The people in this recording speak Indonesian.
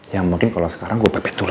yang mungkin kalau sekarang gue pepet dulu